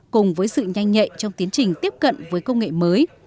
cùng với sự nhanh nhạy trong tiến trình tiếp cận với công nghệ mới